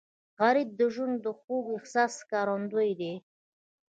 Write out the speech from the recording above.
غریب د ژوند د خوږ احساس ښکارندوی دی